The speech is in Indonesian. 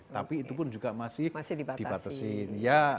tapi itu pun juga masih dibatasin